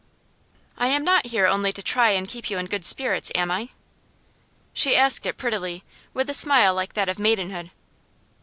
'I am not here only to try and keep you in good spirits, am I?' She asked it prettily, with a smile like that of maidenhood.